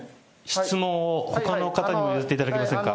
質問をほかの方に譲っていただけませんか。